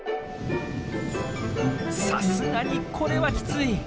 さすがにこれはキツイ！